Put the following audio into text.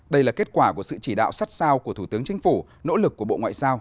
đây là kết quả của sự chỉ đạo sắt sao của thủ tướng chính phủ nỗ lực của bộ ngoại giao